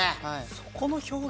「そこの表現」？